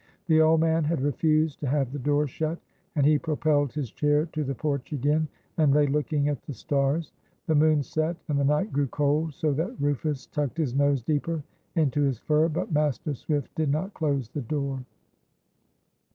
The old man had refused to have the door shut, and he propelled his chair to the porch again, and lay looking at the stars. The moon set, and the night grew cold, so that Rufus tucked his nose deeper into his fur, but Master Swift did not close the door.